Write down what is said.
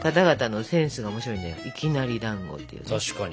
確かに。